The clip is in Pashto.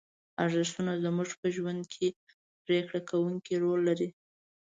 ارزښتونه زموږ په ژوند کې پرېکړه کوونکی رول لري.